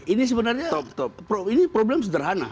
ini sebenarnya problem sederhana